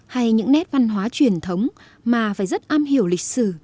hay những nét văn hóa truyền thống mà phải rất am hiểu lịch sử